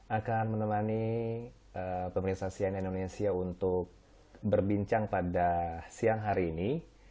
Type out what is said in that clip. akan menemani pemerintah cnn indonesia untuk berbincang pada siang hari ini